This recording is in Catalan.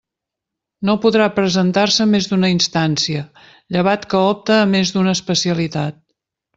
No podrà presentar-se més d'una instància, llevat que opte a més d'una especialitat.